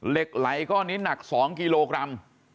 เหล็กไหลก้อนนี้หนัก๒กิโลกรัม